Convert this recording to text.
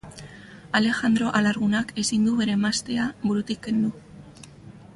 Alejandro alargunak ezin du bere emaztea burutik kendu.